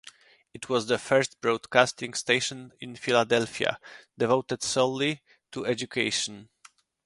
It was the first broadcasting station in Philadelphia devoted solely to education.